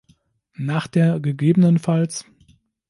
Nach der ggf.